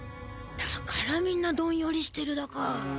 だからみんなどんよりしてるだか。